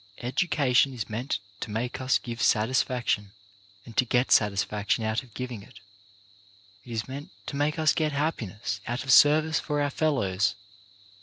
Education is meant to make us give satisfaction, and to get satisfaction out of giving it. It is meant to make us get happiness out of service for our fellows.